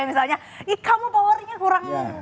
misalnya eh kamu powernya kurang